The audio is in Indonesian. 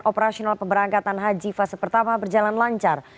operasional pemberangkatan haji fase pertama berjalan lancar